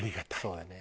そうだね。